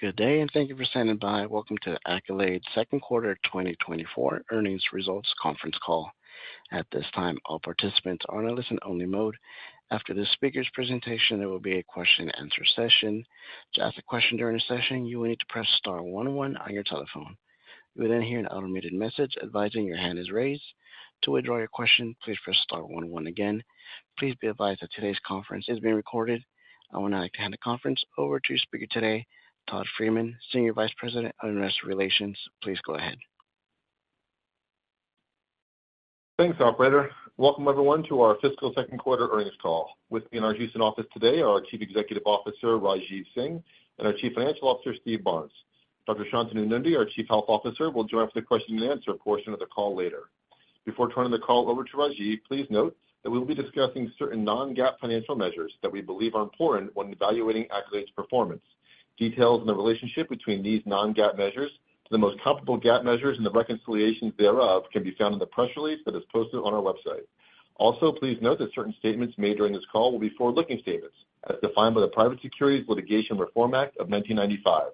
Good day, and thank you for standing by. Welcome to the Accolade Q2 2024 Earnings Results Conference Call. At this time, all participants are in a listen-only mode. After the speaker's presentation, there will be a question and answer session. To ask a question during the session, you will need to press star one one on your telephone. You will then hear an automated message advising your hand is raised. To withdraw your question, please press star one one again. Please be advised that today's conference is being recorded. I would now like to hand the conference over to your speaker today, Todd Friedman, Senior Vice President of Investor Relations. Please go ahead. Thanks, operator. Welcome, everyone, to our fiscal Q2 earnings call. With me in our Houston office today are our Chief Executive Officer, Rajeev Singh, and our Chief Financial Officer, Steve Barnes. Dr. Shantanu Nundy, our Chief Health Officer, will join us for the question and answer portion of the call later. Before turning the call over to Rajeev, please note that we will be discussing certain non-GAAP financial measures that we believe are important when evaluating Accolade's performance. Details on the relationship between these non-GAAP measures to the most comparable GAAP measures and the reconciliations thereof can be found in the press release that is posted on our website. Also, please note that certain statements made during this call will be forward-looking statements as defined by the Private Securities Litigation Reform Act of 1995.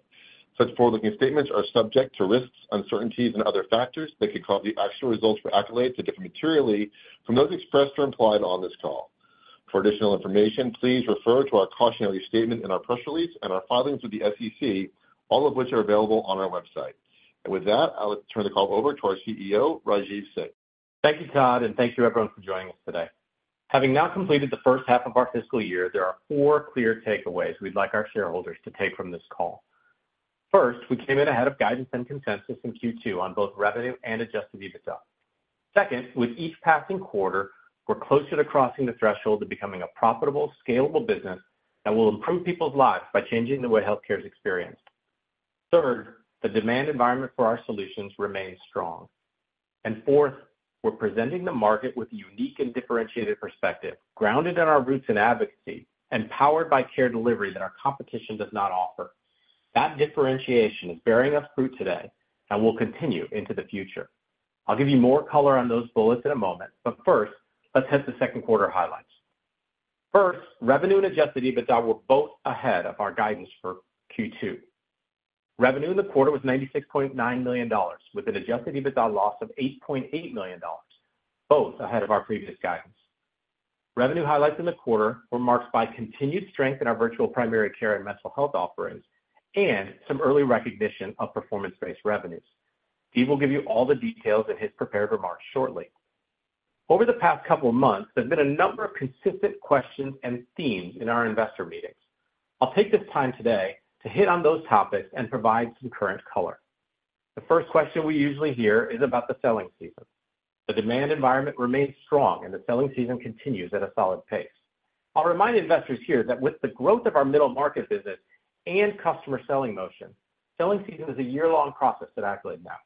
Such forward-looking statements are subject to risks, uncertainties, and other factors that could cause the actual results for Accolade to differ materially from those expressed or implied on this call. For additional information, please refer to our cautionary statement in our press release and our filings with the SEC, all of which are available on our website. With that, I'll turn the call over to our CEO, Rajeev Singh. Thank you, Todd, and thank you, everyone, for joining us today. Having now completed the first half of our fiscal year, there are four clear takeaways we'd like our shareholders to take from this call. First, we came in ahead of guidance and consensus in Q2 on both revenue and Adjusted EBITDA. Second, with each passing quarter, we're closer to crossing the threshold to becoming a profitable, scalable business that will improve people's lives by changing the way healthcare is experienced. Third, the demand environment for our solutions remains strong. And fourth, we're presenting the market with a unique and differentiated perspective, grounded in our roots in advocacy and powered by care delivery that our competition does not offer. That differentiation is bearing us fruit today and will continue into the future. I'll give you more color on those bullets in a moment, but first, let's hit the Q2 highlights. First, revenue and Adjusted EBITDA were both ahead of our guidance for Q2. Revenue in the quarter was $96.9 million, with an Adjusted EBITDA loss of $8.8 million, both ahead of our previous guidance. Revenue highlights in the quarter were marked by continued strength in our virtual primary care and mental health offerings and some early recognition of performance-based revenues. Steve will give you all the details in his prepared remarks shortly. Over the past couple of months, there's been a number of consistent questions and themes in our investor meetings. I'll take this time today to hit on those topics and provide some current color. The first question we usually hear is about the selling season. The demand environment remains strong, and the selling season continues at a solid pace. I'll remind investors here that with the growth of our middle market business and customer selling motion, selling season is a year-long process at Accolade now.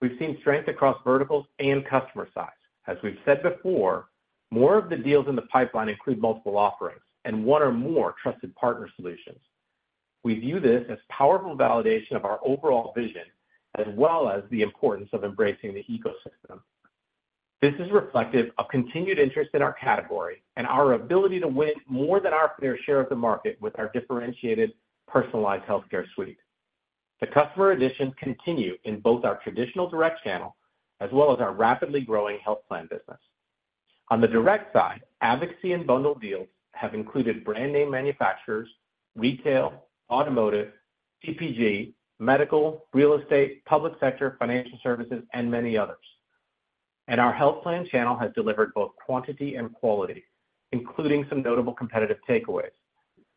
We've seen strength across verticals and customer size. As we've said before, more of the deals in the pipeline include multiple offerings and one or more trusted partner solutions. We view this as powerful validation of our overall vision, as well as the importance of embracing the ecosystem. This is reflective of continued interest in our category and our ability to win more than our fair share of the market with our differentiated personalized healthcare suite. The customer additions continue in both our traditional direct channel as well as our rapidly growing health plan business. On the direct side, advocacy and bundle deals have included brand name manufacturers, retail, automotive, CPG, medical, real estate, public sector, financial services, and many others. Our health plan channel has delivered both quantity and quality, including some notable competitive takeaways.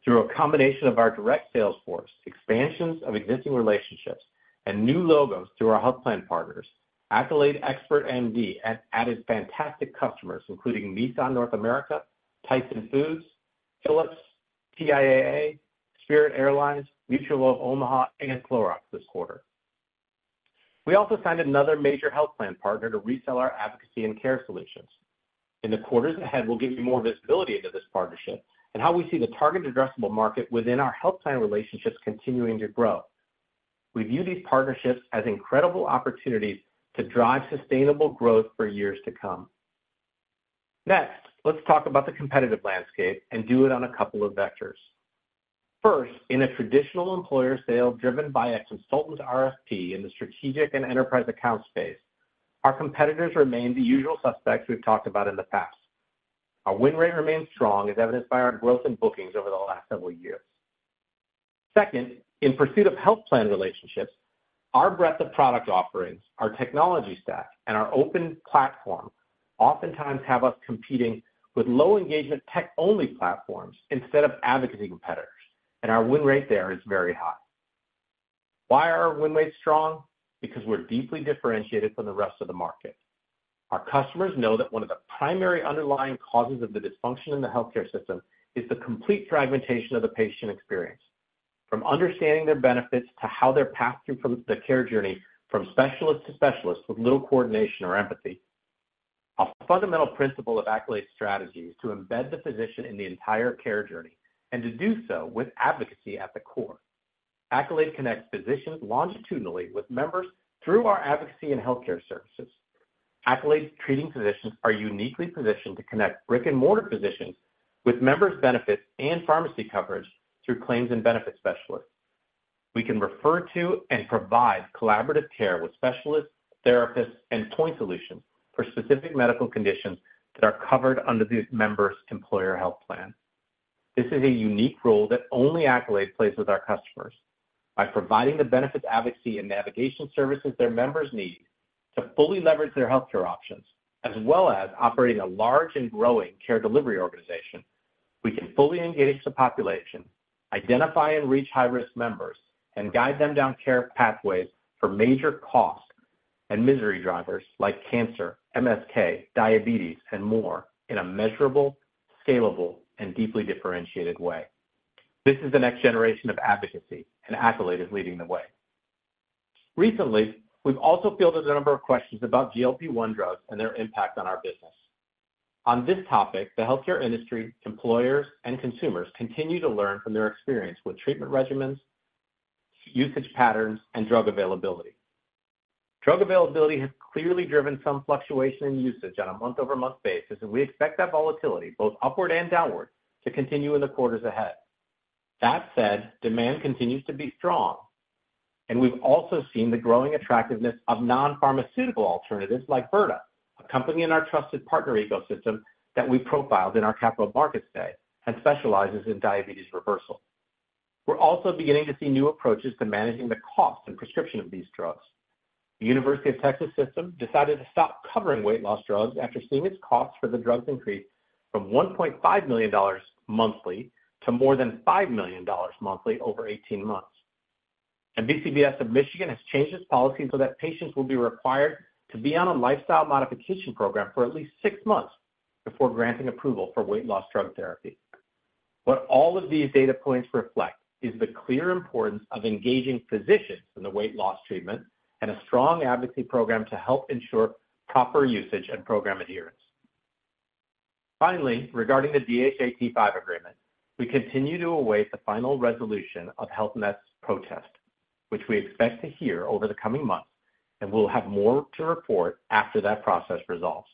Through a combination of our direct sales force, expansions of existing relationships, and new logos through our health plan partners, Accolade Expert MD has added fantastic customers, including Nissan North America, Tyson Foods, Philips, TIAA, Spirit Airlines, Mutual of Omaha, and Clorox this quarter. We also signed another major health plan partner to resell our advocacy and care solutions. In the quarters ahead, we'll give you more visibility into this partnership and how we see the targeted addressable market within our health plan relationships continuing to grow. We view these partnerships as incredible opportunities to drive sustainable growth for years to come. Next, let's talk about the competitive landscape and do it on a couple of vectors. First, in a traditional employer sale driven by a consultant's RFP in the strategic and enterprise account space, our competitors remain the usual suspects we've talked about in the past. Our win rate remains strong, as evidenced by our growth in bookings over the last several years. Second, in pursuit of health plan relationships, our breadth of product offerings, our technology stack, and our open platform oftentimes have us competing with low engagement tech-only platforms instead of advocacy competitors, and our win rate there is very high. Why are our win rates strong? Because we're deeply differentiated from the rest of the market. Our customers know that one of the primary underlying causes of the dysfunction in the healthcare system is the complete fragmentation of the patient experience, from understanding their benefits to how they're passed through from the care journey from specialist to specialist with little coordination or empathy. A fundamental principle of Accolade's strategy is to embed the physician in the entire care journey and to do so with advocacy at the core. Accolade connects physicians longitudinally with members through our advocacy and healthcare services... Accolade's treating physicians are uniquely positioned to connect brick-and-mortar physicians with members' benefits and pharmacy coverage through claims and benefit specialists. We can refer to and provide collaborative care with specialists, therapists, and point solutions for specific medical conditions that are covered under the member's employer health plan. This is a unique role that only Accolade plays with our customers. By providing the benefit, advocacy, and navigation services their members need to fully leverage their healthcare options, as well as operating a large and growing care delivery organization, we can fully engage the population, identify and reach high-risk members, and guide them down care pathways for major cost and misery drivers like cancer, MSK, diabetes, and more, in a measurable, scalable, and deeply differentiated way. This is the next generation of advocacy, and Accolade is leading the way. Recently, we've also fielded a number of questions about GLP-1 drugs and their impact on our business. On this topic, the healthcare industry, employers, and consumers continue to learn from their experience with treatment regimens, usage patterns, and drug availability. Drug availability has clearly driven some fluctuation in usage on a month-over-month basis, and we expect that volatility, both upward and downward, to continue in the quarters ahead. That said, demand continues to be strong, and we've also seen the growing attractiveness of non-pharmaceutical alternatives like Virta, a company in our Trusted Partner Ecosystem that we profiled in our Capital Markets Day, and specializes in diabetes reversal. We're also beginning to see new approaches to managing the cost and prescription of these drugs. The University of Texas System decided to stop covering weight loss drugs after seeing its costs for the drugs increase from $1.5 million monthly to more than $5 million monthly over 18 months. BCBS of Michigan has changed its policy so that patients will be required to be on a lifestyle modification program for at least 6 months before granting approval for weight loss drug therapy. What all of these data points reflect is the clear importance of engaging physicians in the weight loss treatment and a strong advocacy program to help ensure proper usage and program adherence. Finally, regarding the T-5 agreement, we continue to await the final resolution of Health Net's protest, which we expect to hear over the coming months, and we'll have more to report after that process resolves.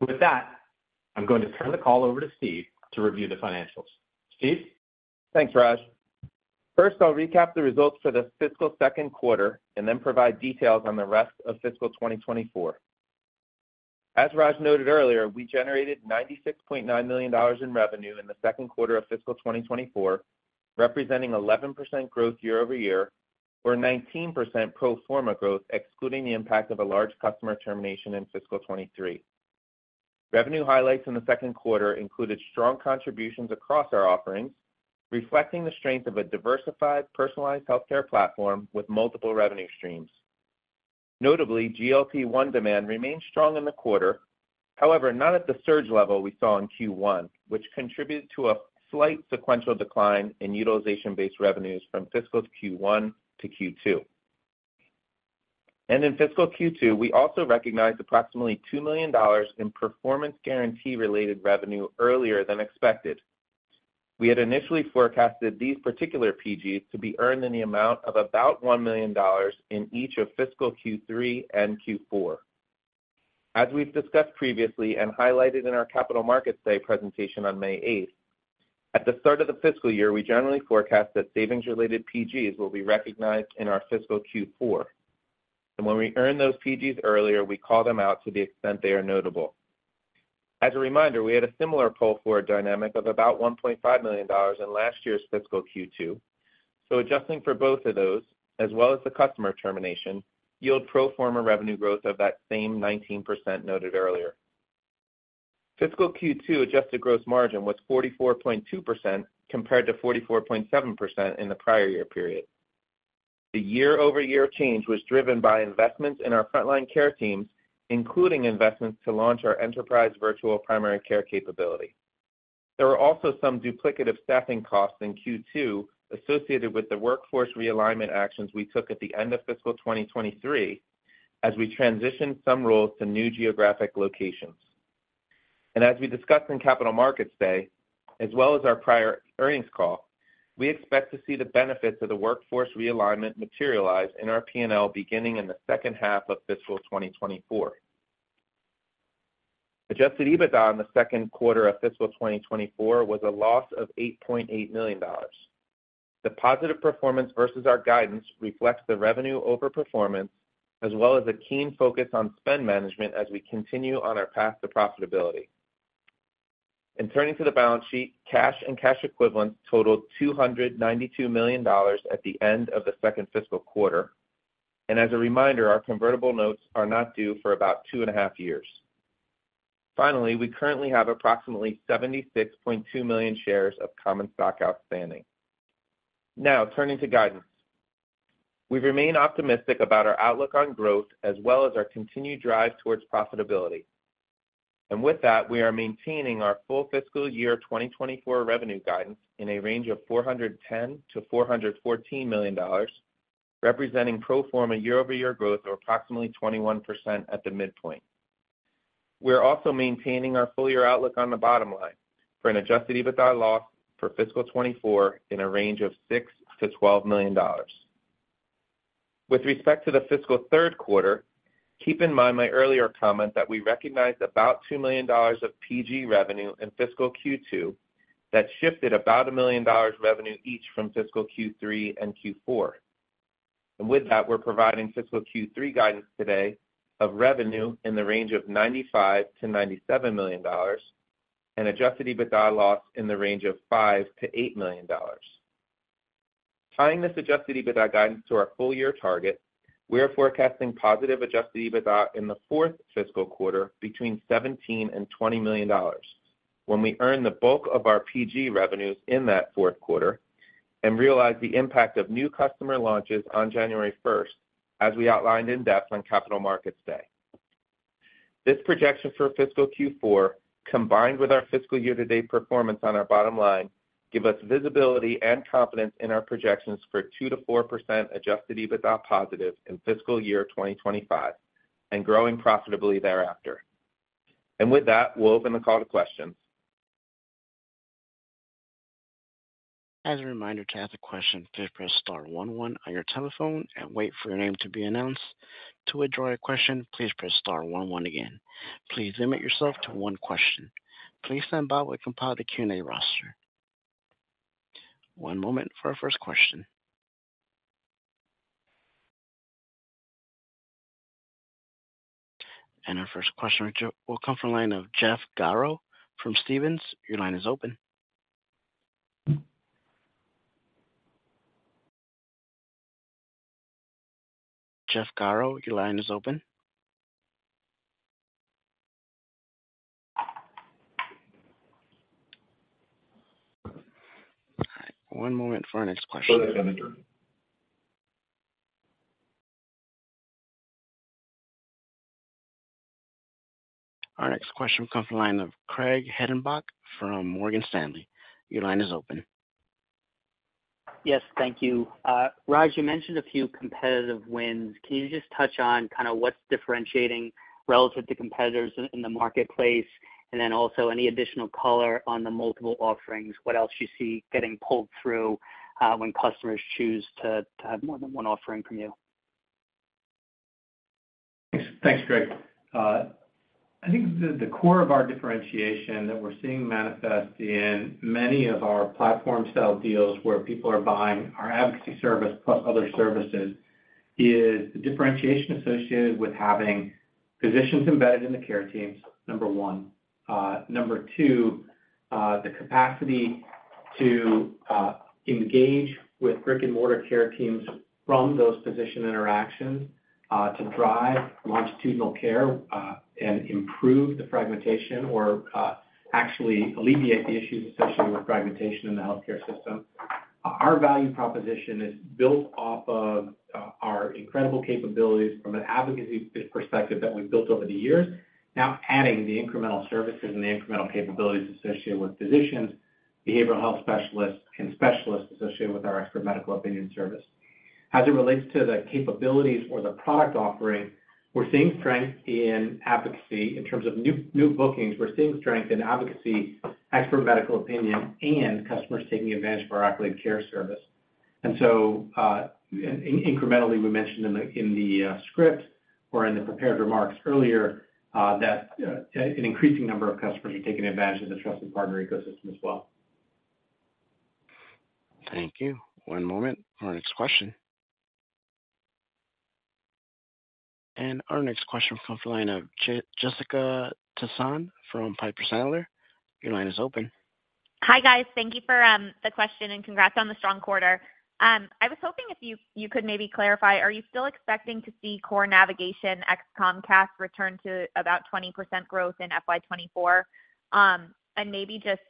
With that, I'm going to turn the call over to Steve to review the financials. Steve? Thanks, Raj. First, I'll recap the results for the fiscal Q2 and then provide details on the rest of fiscal 2024. As Raj noted earlier, we generated $96.9 million in revenue in the Q2 of fiscal 2024, representing 11% growth year-over-year, or 19% pro forma growth, excluding the impact of a large customer termination in fiscal 2023. Revenue highlights in the Q2 included strong contributions across our offerings, reflecting the strength of a diversified, personalized healthcare platform with multiple revenue streams. Notably, GLP-1 demand remained strong in the quarter, however, not at the surge level we saw in Q1, which contributed to a slight sequential decline in utilization-based revenues from fiscal Q1 to Q2. In fiscal Q2, we also recognized approximately $2 million in performance guarantee-related revenue earlier than expected. We had initially forecasted these particular PGs to be earned in the amount of about $1 million in each of fiscal Q3 and Q4. As we've discussed previously, and highlighted in our Capital Markets Day presentation on May 8, at the start of the fiscal year, we generally forecast that savings-related PGs will be recognized in our fiscal Q4. And when we earn those PGs earlier, we call them out to the extent they are notable. As a reminder, we had a similar pull-forward dynamic of about $1.5 million in last year's fiscal Q2, so adjusting for both of those, as well as the customer termination, yield pro forma revenue growth of that same 19% noted earlier. Fiscal Q2 adjusted gross margin was 44.2%, compared to 44.7% in the prior year period. The year-over-year change was driven by investments in our frontline care teams, including investments to launch our enterprise virtual primary care capability. There were also some duplicative staffing costs in Q2 associated with the workforce realignment actions we took at the end of fiscal 2023, as we transitioned some roles to new geographic locations. As we discussed in Capital Markets Day, as well as our prior earnings call, we expect to see the benefits of the workforce realignment materialize in our P&L beginning in the second half of fiscal 2024. Adjusted EBITDA in the Q2 of fiscal 2024 was a loss of $8.8 million. The positive performance versus our guidance reflects the revenue overperformance, as well as a keen focus on spend management as we continue on our path to profitability. Turning to the balance sheet, cash and cash equivalents totaled $292 million at the end of the second fiscal quarter. As a reminder, our convertible notes are not due for about 2.5 years. Finally, we currently have approximately 76.2 million shares of common stock outstanding. Now, turning to guidance. We remain optimistic about our outlook on growth, as well as our continued drive towards profitability. With that, we are maintaining our full fiscal 2024 revenue guidance in a range of $410 million-$414 million, representing pro forma year-over-year growth of approximately 21% at the midpoint.... We're also maintaining our full year outlook on the bottom line for an Adjusted EBITDA loss for fiscal 2024 in a range of $6 million-$12 million. With respect to the fiscal Q3, keep in mind my earlier comment that we recognized about $2 million of PG revenue in fiscal Q2, that shifted about $1 million revenue each from fiscal Q3 and Q4. With that, we're providing fiscal Q3 guidance today of revenue in the range of $95 million-$97 million and Adjusted EBITDA loss in the range of $5 million-$8 million. Tying this Adjusted EBITDA guidance to our full-year target, we are forecasting positive Adjusted EBITDA in the fourth fiscal quarter between $17 million-$20 million, when we earn the bulk of our PG revenues in that Q4 and realize the impact of new customer launches on January 1st, as we outlined in-depth on Capital Markets Day. This projection for fiscal Q4, combined with our fiscal year-to-date performance on our bottom line, give us visibility and confidence in our projections for 2%-4% adjusted EBITDA positive in fiscal year 2025 and growing profitably thereafter. With that, we'll open the call to questions. As a reminder, to ask a question, please press star one one on your telephone and wait for your name to be announced. To withdraw your question, please press star one one again. Please limit yourself to one question. Please stand by while we compile the Q&A roster. One moment for our first question. Our first question will come from line of Jeff Garro from Stephens. Your line is open. Jeff Garro, your line is open. All right, one moment for our next question. Our next question comes from line of Craig Hettenbach from Morgan Stanley. Your line is open. Yes, thank you. Raj, you mentioned a few competitive wins. Can you just touch on kind of what's differentiating relative to competitors in the marketplace, and then also any additional color on the multiple offerings, what else you see getting pulled through, when customers choose to have more than one offering from you? Thanks, Craig. I think the core of our differentiation that we're seeing manifest in many of our platform style deals, where people are buying our advocacy service plus other services, is the differentiation associated with having physicians embedded in the care teams, number one. Number two, the capacity to engage with brick-and-mortar care teams from those physician interactions to drive longitudinal care and improve the fragmentation or actually alleviate the issues associated with fragmentation in the healthcare system. Our value proposition is built off of our incredible capabilities from an advocacy perspective that we've built over the years. Now adding the incremental services and the incremental capabilities associated with physicians, behavioral health specialists, and specialists associated with our expert medical opinion service. As it relates to the capabilities or the product offering, we're seeing strength in advocacy in terms of new bookings. We're seeing strength in advocacy, expert medical opinion, and customers taking advantage of our Accolade Care service. And so, incrementally, we mentioned in the script or in the prepared remarks earlier, that an increasing number of customers are taking advantage of the Trusted Partner Ecosystem as well. Thank you. One moment for our next question. Our next question comes from the line of Jessica Tassan from Piper Sandler. Your line is open. Hi, guys. Thank you for the question, and congrats on the strong quarter. I was hoping if you could maybe clarify: Are you still expecting to see core navigation ex Comcast return to about 20% growth in FY 2024? And maybe just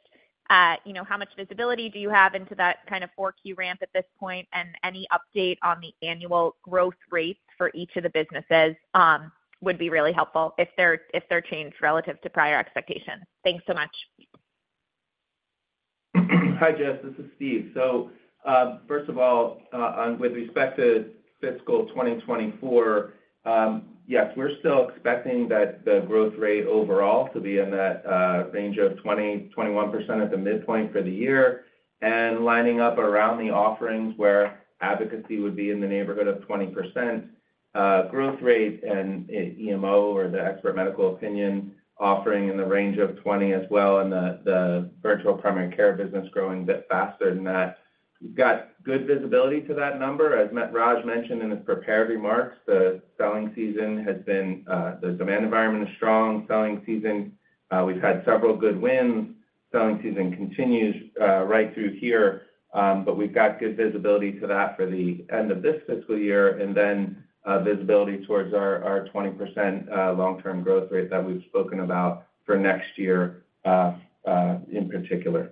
you know, how much visibility do you have into that kind of 4Q ramp at this point, and any update on the annual growth rates for each of the businesses would be really helpful if they're changed relative to prior expectations. Thanks so much. Hi, Jess, this is Steve. So, first of all, on with respect to fiscal 2024, yes, we're still expecting that the growth rate overall to be in that range of 20%-21% at the midpoint for the year, and lining up around the offerings where advocacy would be in the neighborhood of 20% growth rate and EMO, or the expert medical opinion, offering in the range of 20% as well, and the virtual primary care business growing a bit faster than that. We've got good visibility to that number. As Raj mentioned in his prepared remarks, the selling season has been the demand environment is strong, selling season. We've had several good wins. Selling season continues right through here, but we've got good visibility to that for the end of this fiscal year and then visibility towards our 20% long-term growth rate that we've spoken about for next year in particular.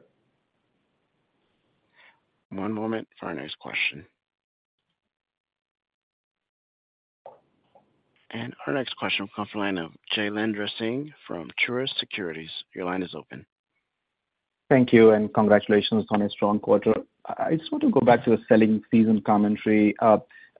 One moment for our next question. Our next question comes from the line of Jailendra Singh from Truist Securities. Your line is open.... Thank you, and congratulations on a strong quarter. I just want to go back to the selling season commentary.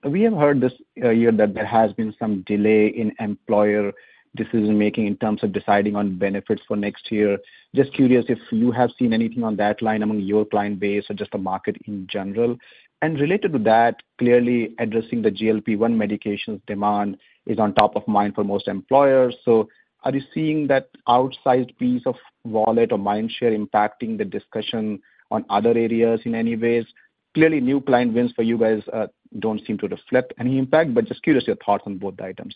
We have heard this year that there has been some delay in employer decision-making in terms of deciding on benefits for next year. Just curious if you have seen anything on that line among your client base or just the market in general? And related to that, clearly addressing the GLP-1 medications demand is on top of mind for most employers. So are you seeing that outsized piece of wallet or mind share impacting the discussion on other areas in any ways? Clearly, new client wins for you guys don't seem to reflect any impact, but just curious your thoughts on both items.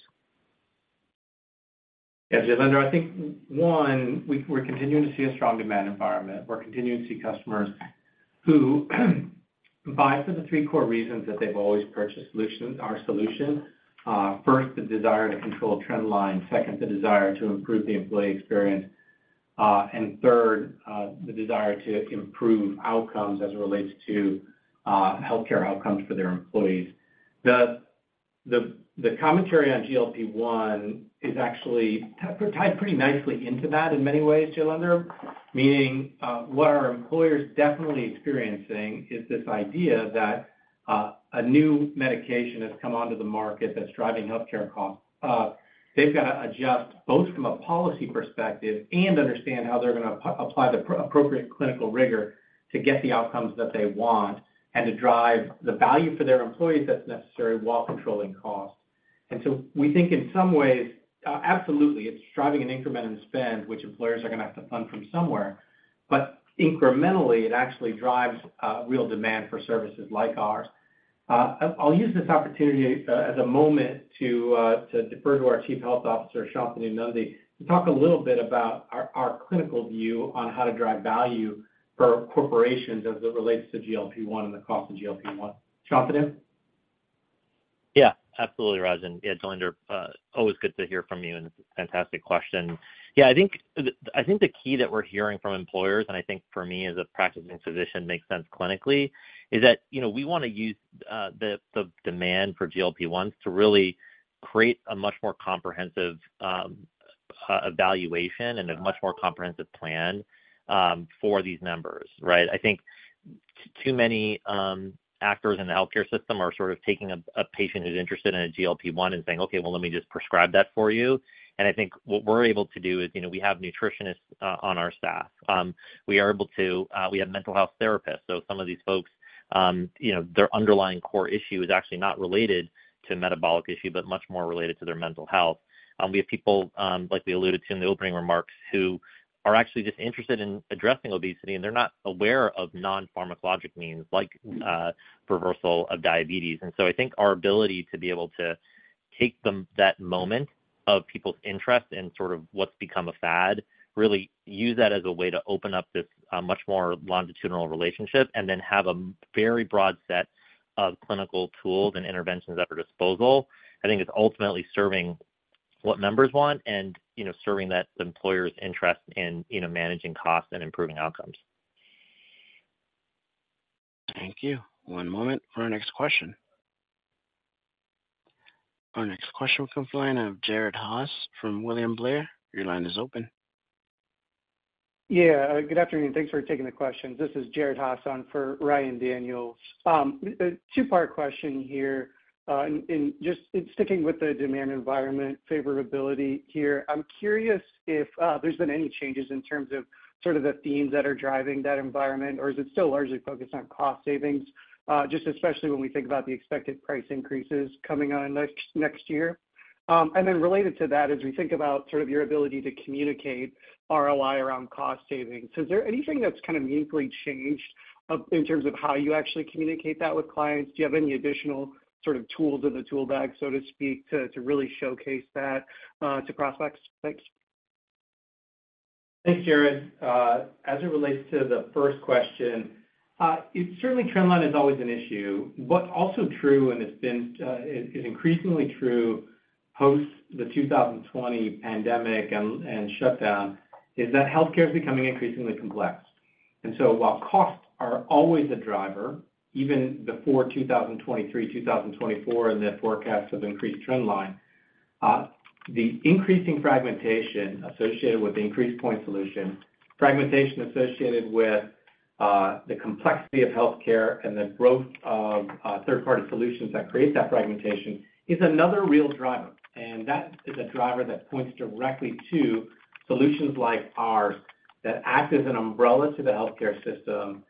Yeah, Jailendra, I think, one, we're continuing to see a strong demand environment. We're continuing to see customers who buy for the three core reasons that they've always purchased solutions, our solution. First, the desire to control trend line. Second, the desire to improve the employee experience. And third, the desire to improve outcomes as it relates to healthcare outcomes for their employees. The commentary on GLP-1 is actually tied pretty nicely into that in many ways, Jailendra, meaning what our employers definitely experiencing is this idea that a new medication has come onto the market that's driving healthcare costs. They've got to adjust both from a policy perspective and understand how they're gonna apply the appropriate clinical rigor to get the outcomes that they want and to drive the value for their employees that's necessary while controlling costs. And so we think in some ways, absolutely, it's driving an increment in spend, which employers are gonna have to fund from somewhere, but incrementally, it actually drives real demand for services like ours. I'll use this opportunity as a moment to defer to our Chief Health Officer, Shantanu Nundy, to talk a little bit about our clinical view on how to drive value for corporations as it relates to GLP-1 and the cost of GLP-1. Shantanu? Yeah, absolutely, Raj. And yeah, Jailendra, always good to hear from you, and it's a fantastic question. Yeah, I think the, I think the key that we're hearing from employers, and I think for me, as a practicing physician, makes sense clinically, is that, you know, we wanna use the demand for GLP-1s to really create a much more comprehensive evaluation and a much more comprehensive plan for these members, right? I think too many actors in the healthcare system are sort of taking a patient who's interested in a GLP-1 and saying, "Okay, well, let me just prescribe that for you." And I think what we're able to do is, you know, we have nutritionists on our staff. We are able to, we have mental health therapists. So some of these folks, you know, their underlying core issue is actually not related to metabolic issue, but much more related to their mental health. We have people, like we alluded to in the opening remarks, who are actually just interested in addressing obesity, and they're not aware of non-pharmacologic means, like, reversal of diabetes. And so I think our ability to be able to take them, that moment of people's interest in sort of what's become a fad, really use that as a way to open up this, much more longitudinal relationship, and then have a very broad set of clinical tools and interventions at our disposal. I think it's ultimately serving what members want and, you know, serving that, the employer's interest in, you know, managing costs and improving outcomes. Thank you. One moment for our next question. Our next question comes from the line of Jared Haase from William Blair. Your line is open. Yeah, good afternoon. Thanks for taking the questions. This is Jared Haase on for Ryan Daniels. A two-part question here. In just sticking with the demand environment favorability here, I'm curious if there's been any changes in terms of sort of the themes that are driving that environment, or is it still largely focused on cost savings? Just especially when we think about the expected price increases coming on next year. And then related to that, as we think about sort of your ability to communicate ROI around cost savings, is there anything that's kind of meaningfully changed in terms of how you actually communicate that with clients? Do you have any additional sort of tools in the tool bag, so to speak, to really showcase that to prospects? Thanks. Thanks, Jared. As it relates to the first question, certainly trend line is always an issue, but also true, and it's been, it is increasingly true, post the 2020 pandemic and shutdown, is that healthcare is becoming increasingly complex. And so while costs are always a driver, even before 2023, 2024, and the forecast of increased trend line, the increasing fragmentation associated with the increased point solution, fragmentation associated with the complexity of healthcare and the growth of third-party solutions that create that fragmentation is another real driver. And that is a driver that points directly to solutions like ours, that act as an umbrella to the healthcare system,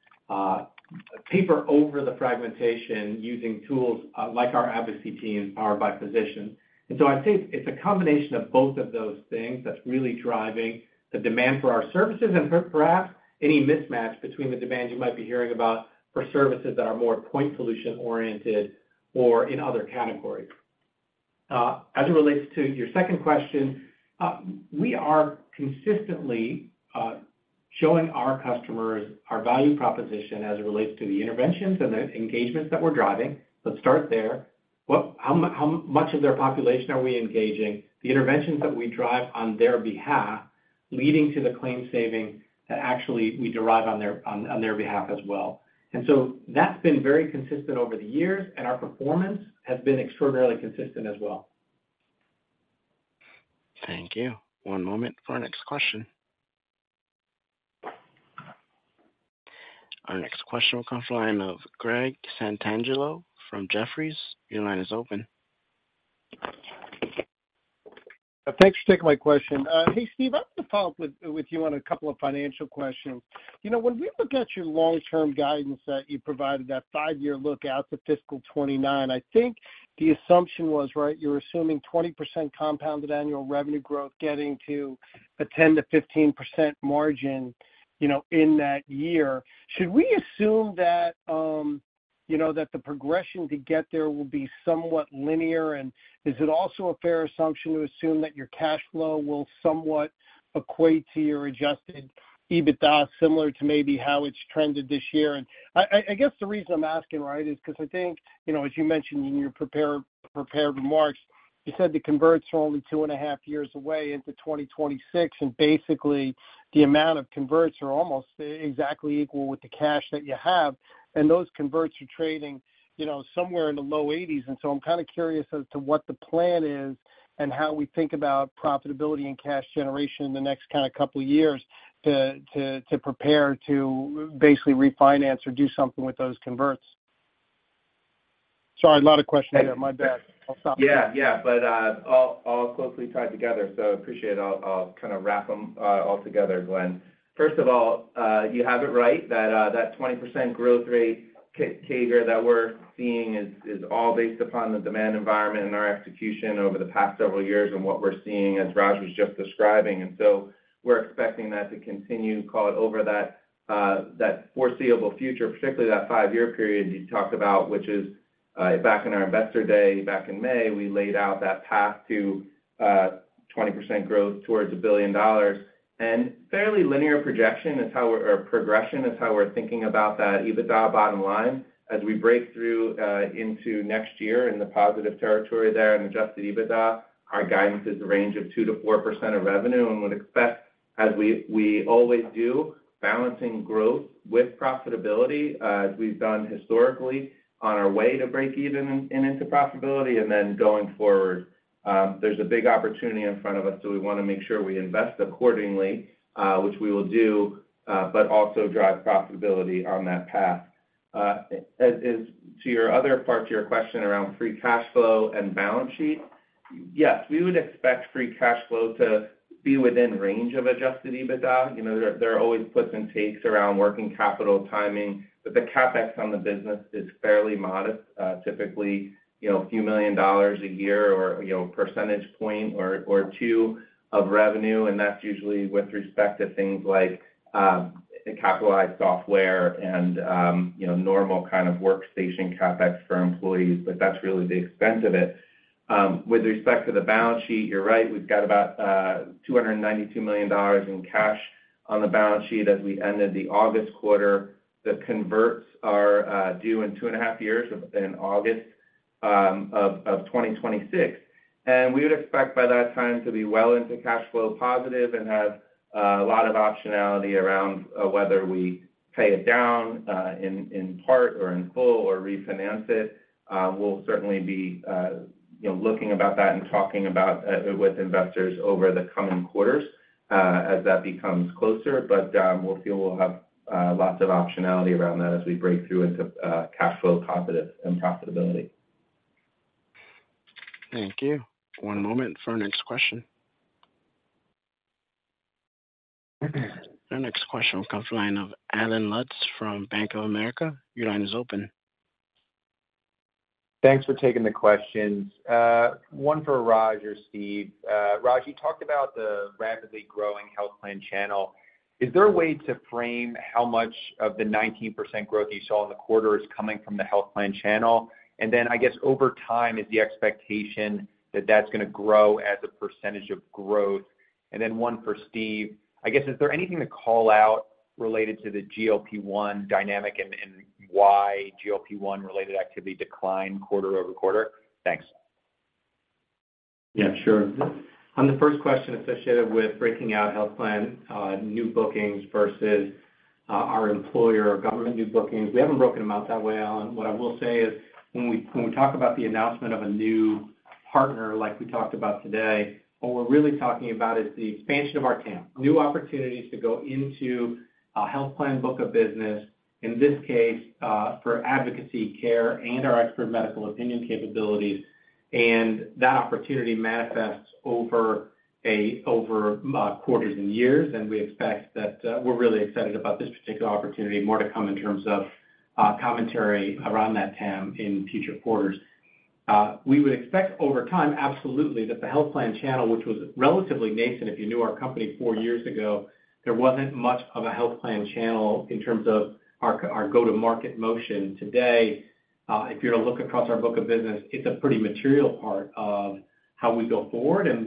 paper over the fragmentation using tools like our advocacy team, powered by physicians. And so I think it's a combination of both of those things that's really driving the demand for our services and perhaps any mismatch between the demands you might be hearing about for services that are more point solution oriented or in other categories. As it relates to your second question, we are consistently showing our customers our value proposition as it relates to the interventions and the engagements that we're driving. Let's start there. How much of their population are we engaging? The interventions that we drive on their behalf, leading to the claims savings that we derive on their behalf as well. And so that's been very consistent over the years, and our performance has been extraordinarily consistent as well.... Thank you. One moment for our next question. Our next question will come from the line of Glen Santangelo from Jefferies. Your line is open. Thanks for taking my question. Hey, Steve, I want to follow up with, with you on a couple of financial questions. You know, when we look at your long-term guidance that you provided, that five-year look out to fiscal 2029, I think the assumption was, right, you were assuming 20% compounded annual revenue growth, getting to a 10%-15% margin, you know, in that year. Should we assume that, you know, that the progression to get there will be somewhat linear? And is it also a fair assumption to assume that your cash flow will somewhat equate to your Adjusted EBITDA, similar to maybe how it's trended this year? And I guess the reason I'm asking, right, is because I think, you know, as you mentioned in your prepared remarks, you said the converts are only 2.5 years away into 2026, and basically, the amount of converts are almost exactly equal with the cash that you have, and those converts are trading, you know, somewhere in the low 80s. And so I'm kind of curious as to what the plan is and how we think about profitability and cash generation in the next kind of couple of years to prepare to basically refinance or do something with those converts. Sorry, a lot of questions there. My bad. I'll stop. Yeah, yeah. But all closely tied together, so appreciate it. I'll kind of wrap them all together, Glen. First of all, you have it right, that 20% growth rate CAGR that we're seeing is all based upon the demand environment and our execution over the past several years and what we're seeing, as Raj was just describing. And so we're expecting that to continue call it over that foreseeable future, particularly that five-year period you talked about, which is back in our investor day, back in May, we laid out that path to 20% growth towards $1 billion. And fairly linear projection is how we're or progression, is how we're thinking about that EBITDA bottom line. As we break through into next year in the positive territory there and Adjusted EBITDA, our guidance is a range of 2%-4% of revenue and would expect, as we always do, balancing growth with profitability, as we've done historically on our way to break even and into profitability. And then going forward, there's a big opportunity in front of us, so we want to make sure we invest accordingly, which we will do, but also drive profitability on that path. As to your other part, to your question around free cash flow and balance sheet, yes, we would expect free cash flow to be within range of Adjusted EBITDA. You know, there are always puts and takes around working capital timing, but the CapEx on the business is fairly modest. Typically, you know, a few million dollars a year or, you know, a percentage point or two of revenue, and that's usually with respect to things like capitalized software and, you know, normal kind of workstation CapEx for employees, but that's really the extent of it. With respect to the balance sheet, you're right, we've got about $292 million in cash on the balance sheet as we ended the August quarter. The converts are due in 2.5 years, in August of 2026. And we would expect by that time to be well into cash flow positive and have a lot of optionality around whether we pay it down in part or in full or refinance it. We'll certainly be, you know, looking about that and talking about with investors over the coming quarters, as that becomes closer. But, we'll feel we'll have lots of optionality around that as we break through into cash flow positive and profitability. Thank you. One moment for our next question. Our next question comes from the line of Allen Lutz from Bank of America. Your line is open. Thanks for taking the questions. One for Raj or Steve. Raj, you talked about the rapidly growing health plan channel. Is there a way to frame how much of the 19% growth you saw in the quarter is coming from the health plan channel? And then, I guess over time, is the expectation that that's going to grow as a percentage of growth. And then one for Steve, I guess, is there anything to call out related to the GLP-1 dynamic and why GLP-1 related activity declined quarter-over-quarter? Thanks. Yeah, sure. On the first question associated with breaking out health plan new bookings versus our employer or government new bookings, we haven't broken them out that way, Allen. What I will say is, when we, when we talk about the announcement of a new partner, like we talked about today, what we're really talking about is the expansion of our TAM. New opportunities to go into a health plan book of business, in this case, for advocacy care and our expert medical opinion capabilities. And that opportunity manifests over a, over quarters and years, and we expect that, we're really excited about this particular opportunity. More to come in terms of commentary around that TAM in future quarters. We would expect over time, absolutely, that the health plan channel, which was relatively nascent, if you knew our company four years ago, there wasn't much of a health plan channel in terms of our go-to-market motion. Today, if you're to look across our book of business, it's a pretty material part of how we go forward, and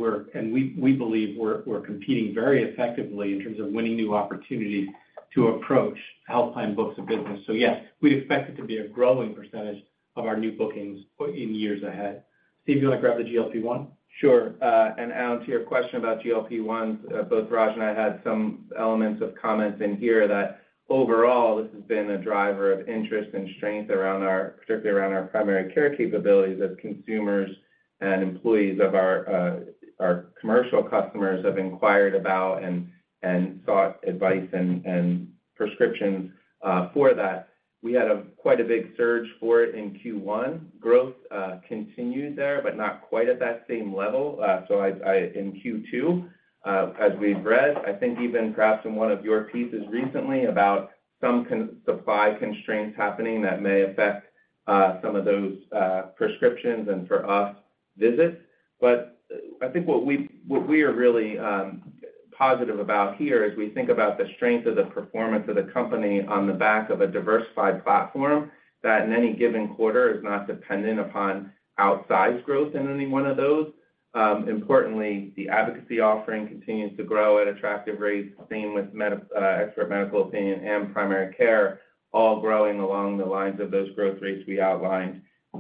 we believe we're competing very effectively in terms of winning new opportunities to approach health plan books of business. So yes, we expect it to be a growing percentage of our new bookings in years ahead.... Steve, do you want to grab the GLP-1? Sure, and Allen, to your question about GLP-1, both Raj and I had some elements of comments in here that overall, this has been a driver of interest and strength around our, particularly around our primary care capabilities as consumers and employees of our, our commercial customers have inquired about and, and sought advice and, and prescriptions, for that. We had quite a big surge for it in Q1. Growth, continued there, but not quite at that same level. So in Q2, as we've read, I think even perhaps in one of your pieces recently, about some supply constraints happening that may affect, some of those, prescriptions and for us, visits. But I think what we are really positive about here is we think about the strength of the performance of the company on the back of a diversified platform, that in any given quarter is not dependent upon outsized growth in any one of those. Importantly, the advocacy offering continues to grow at attractive rates, same with Expert MD and primary care, all growing along the lines of those growth rates we outlined, you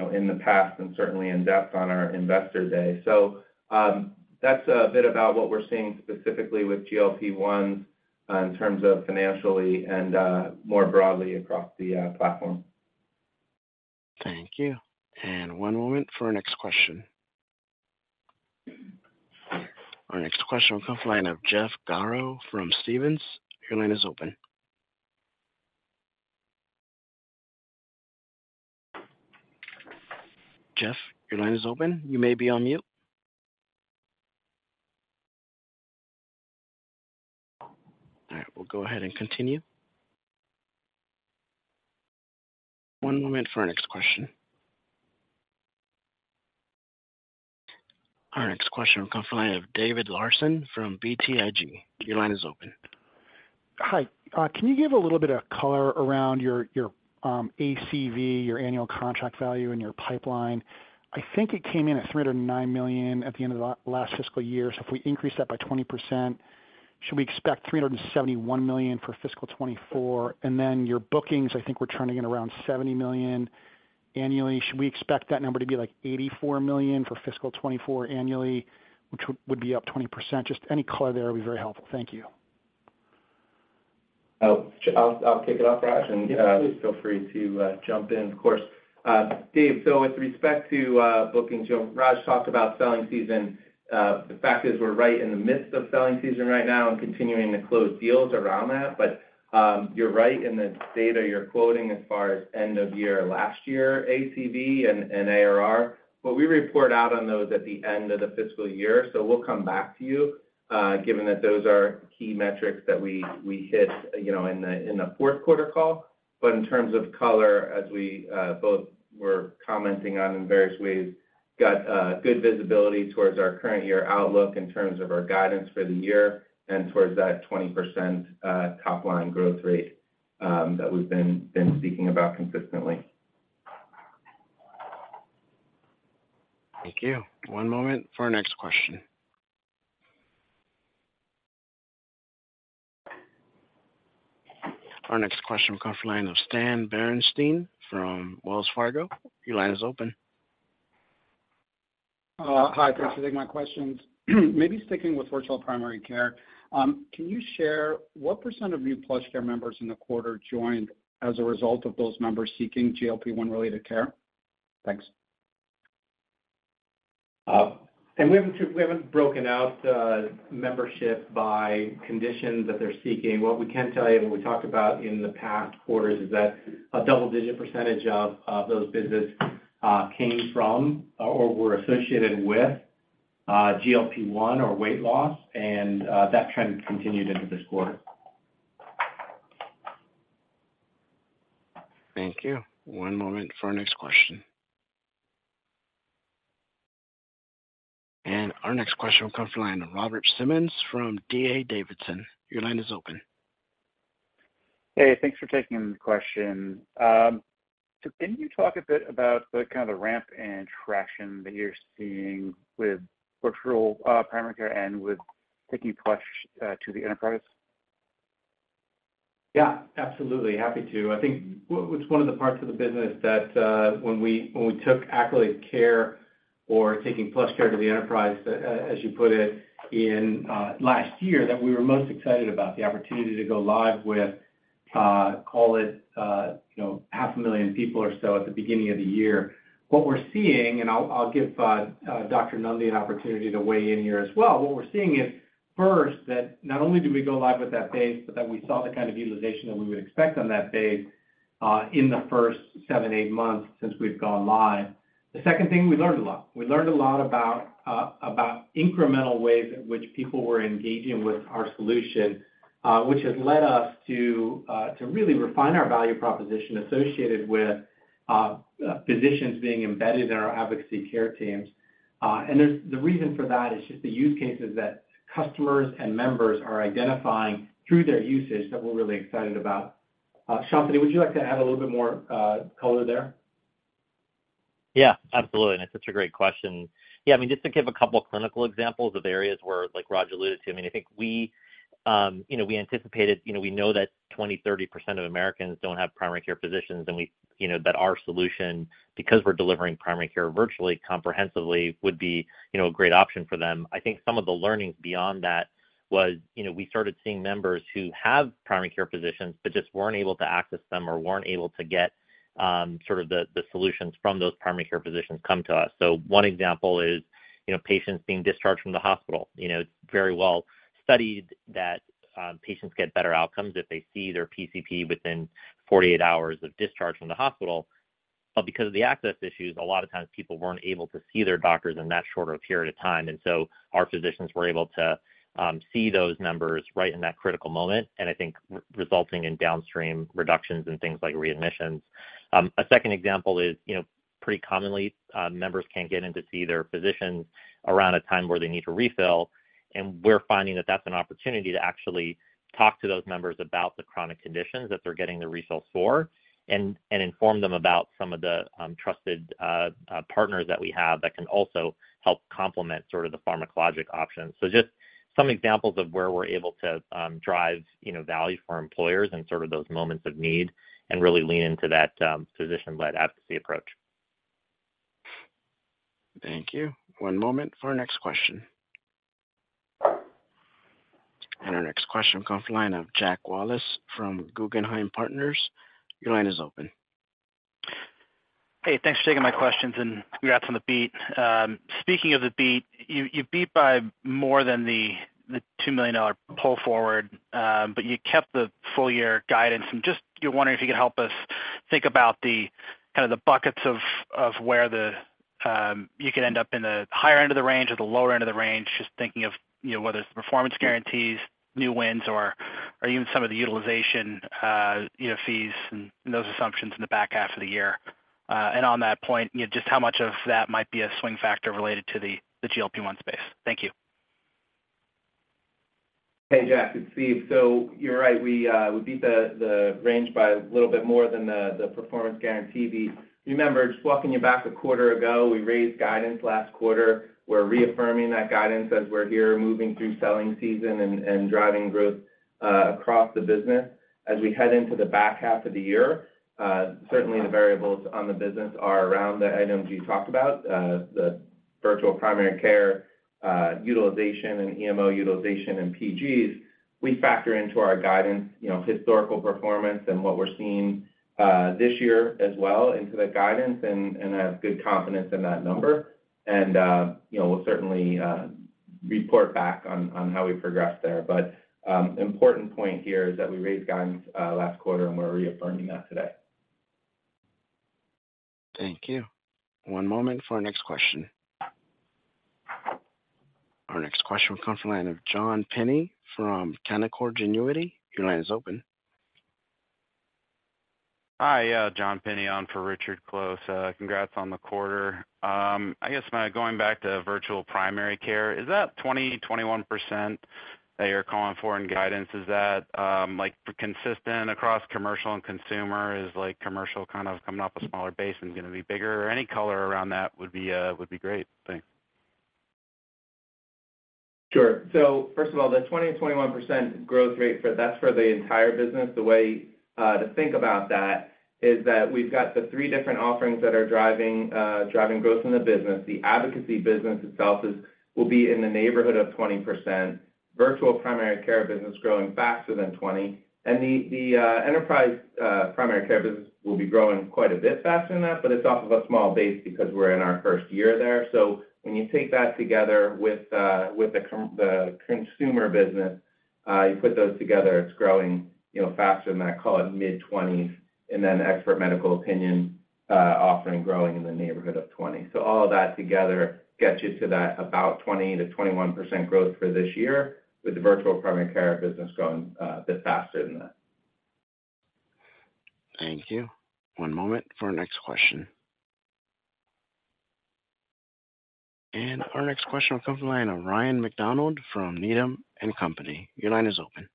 know, in the past and certainly in depth on our investor day. So, that's a bit about what we're seeing specifically with GLP-1, in terms of financially and more broadly across the platform. Thank you. One moment for our next question. Our next question will come from the line of Jeff Garro from Stephens. Your line is open. Jeff, your line is open. You may be on mute. All right, we'll go ahead and continue. One moment for our next question. Our next question will come from the line of David Larsen from BTIG. Your line is open. Hi, can you give a little bit of color around your, your, ACV, your annual contract value, and your pipeline? I think it came in at $309 million at the end of the last fiscal year. So if we increase that by 20%, should we expect $371 million for fiscal 2024? And then your bookings, I think, were turning in around $70 million annually. Should we expect that number to be, like, $84 million for fiscal 2024 annually, which would, would be up 20%? Just any color there would be very helpful. Thank you. Oh, I'll kick it off, Raj, and feel free to jump in, of course. Dave, so with respect to bookings, Joe, Raj talked about selling season. The fact is, we're right in the midst of selling season right now and continuing to close deals around that. But you're right in the data you're quoting as far as end of year, last year, ACV and ARR. But we report out on those at the end of the fiscal year, so we'll come back to you, given that those are key metrics that we hit, you know, in the Q4 call. In terms of color, as we both were commenting on in various ways, got good visibility towards our current year outlook in terms of our guidance for the year and towards that 20% top line growth rate that we've been speaking about consistently. Thank you. One moment for our next question. Our next question will come from the line of Stan Berenshteyn from Wells Fargo. Your line is open. Hi, thanks for taking my questions. Maybe sticking with virtual primary care, can you share what percent of new PlushCare members in the quarter joined as a result of those members seeking GLP-1 related care? Thanks. And we haven't broken out membership by conditions that they're seeking. What we can tell you, and we talked about in the past quarters, is that a double-digit percentage of those visits came from or were associated with GLP-1 or weight loss, and that trend continued into this quarter. Thank you. One moment for our next question. Our next question will come from the line of Robert Simmons, from D.A. Davidson. Your line is open. Hey, thanks for taking the question. So can you talk a bit about the kind of the ramp and traction that you're seeing with virtual primary care and with taking PlushCare to the enterprise? Yeah, absolutely. Happy to. I think what's one of the parts of the business that, when we took Accolade Care or taking PlushCare to the enterprise, as you put it, in last year, that we were most excited about the opportunity to go live with, call it, you know, half a million people or so at the beginning of the year. What we're seeing, and I'll give Dr. Nundy an opportunity to weigh in here as well. What we're seeing is, first, that not only do we go live with that base, but that we saw the kind of utilization that we would expect on that base, in the first seven-eight months since we've gone live. The second thing, we learned a lot. We learned a lot about incremental ways in which people were engaging with our solution, which has led us to really refine our value proposition associated with physicians being embedded in our advocacy care teams. And there's... The reason for that is just the use cases that customers and members are identifying through their usage that we're really excited about. Shantanu, would you like to add a little bit more color there? Yeah, absolutely, and it's such a great question. Yeah, I mean, just to give a couple of clinical examples of areas where, like Raj alluded to, I mean, I think we, you know, we anticipated, you know, we know that 20%-30% of Americans don't have primary care physicians, and we, you know, that our solution, because we're delivering primary care virtually, comprehensively, would be, you know, a great option for them. I think some of the learnings beyond that was, you know, we started seeing members who have primary care physicians, but just weren't able to access them or weren't able to get, sort of the, the solutions from those primary care physicians come to us. So one example is, you know, patients being discharged from the hospital. You know, it's very well studied that, patients get better outcomes if they see their PCP within 48 hours of discharge from the hospital. But because of the access issues, a lot of times people weren't able to see their doctors in that shorter period of time, and so our physicians were able to, see those members right in that critical moment, and I think resulting in downstream reductions in things like readmissions. A second example is, you know, pretty commonly, members can't get in to see their physician around a time where they need to refill, and we're finding that that's an opportunity to actually talk to those members about the chronic conditions that they're getting the refills for, and inform them about some of the trusted partners that we have that can also help complement sort of the pharmacologic options. So just some examples of where we're able to drive, you know, value for our employers in sort of those moments of need and really lean into that physician-led advocacy approach. Thank you. One moment for our next question. Our next question comes from the line of Jack Wallace from Guggenheim Partners. Your line is open. Hey, thanks for taking my questions, and congrats on the beat. Speaking of the beat, you beat by more than the $2 million pull forward, but you kept the full year guidance. Just wondering if you could help us think about the kinda the buckets of where the you could end up in the higher end of the range or the lower end of the range, just thinking of, you know, whether it's the performance guarantees, new wins, or even some of the utilization, you know, fees and those assumptions in the back half of the year. And on that point, you know, just how much of that might be a swing factor related to the GLP-1 space? Thank you. Hey, Jack, it's Steve. So you're right, we beat the range by a little bit more than the performance guarantee. Remember, just walking you back a quarter ago, we raised guidance last quarter. We're reaffirming that guidance as we're here moving through selling season and driving growth across the business. As we head into the back half of the year, certainly the variables on the business are around the items you talked about, the virtual primary care utilization and EMO utilization and PGs. We factor into our guidance, you know, historical performance and what we're seeing this year as well into the guidance and have good confidence in that number. And, you know, we'll certainly report back on how we progress there. But, important point here is that we raised guidance last quarter, and we're reaffirming that today. Thank you. One moment for our next question. Our next question comes from the line of John Pinney from Canaccord Genuity. Your line is open. Hi, John Pinney on for Richard Close. Congrats on the quarter. I guess my going back to virtual primary care, is that 21% that you're calling for in guidance, is that, like, consistent across commercial and consumer? Is like commercial kind of coming off a smaller base and going to be bigger? Any color around that would be, would be great. Thanks. Sure. So first of all, the 20%-21% growth rate, for that's for the entire business. The way to think about that is that we've got the three different offerings that are driving driving growth in the business. The advocacy business itself is, will be in the neighborhood of 20%. Virtual primary care business growing faster than 20%, and the, the, enterprise primary care business will be growing quite a bit faster than that, but it's off of a small base because we're in our first year there. So when you take that together with the consumer business, you put those together, it's growing, you know, faster than that, call it mid-20s%, and then expert medical opinion offering growing in the neighborhood of 20%. All of that together gets you to that about 20%-21% growth for this year, with the virtual primary care business growing a bit faster than that. Thank you. One moment for our next question. And our next question will come from the line of Ryan MacDonald from Needham & Company. Your line is open.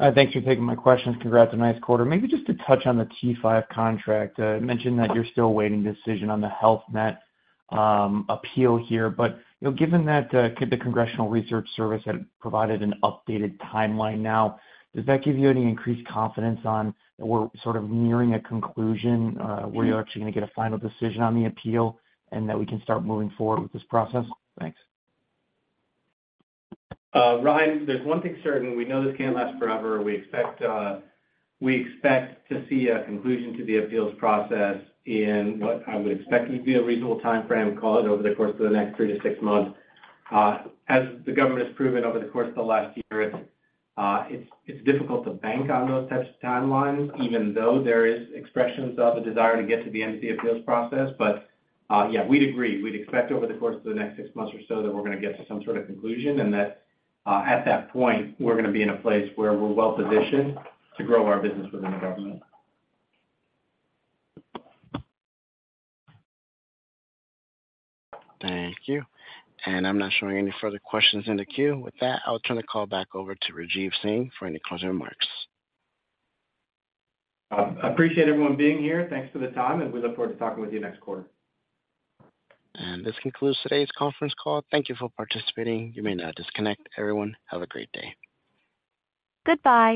Thank you for taking my questions. Congrats on nice quarter. Maybe just to touch on the T-5 contract. You mentioned that you're still waiting decision on the Health Net appeal here, but you know, given that the Congressional Research Service had provided an updated timeline now, does that give you any increased confidence on we're sort of nearing a conclusion where you're actually going to get a final decision on the appeal and that we can start moving forward with this process? Thanks. Ryan, there's one thing certain: we know this can't last forever. We expect, we expect to see a conclusion to the appeals process in what I would expect would be a reasonable timeframe, call it over the course of the next three-six months. As the government has proven over the course of the last year, it's, it's difficult to bank on those types of timelines, even though there is expressions of a desire to get to the end of the appeals process. But, yeah, we'd agree. We'd expect over the course of the next six months or so that we're going to get to some sort of conclusion, and that, at that point, we're going to be in a place where we're well positioned to grow our business within the government. Thank you. I'm not showing any further questions in the queue. With that, I'll turn the call back over to Rajeev Singh for any closing remarks. I appreciate everyone being here. Thanks for the time, and we look forward to talking with you next quarter. This concludes today's conference call. Thank you for participating. You may now disconnect. Everyone, have a great day. Goodbye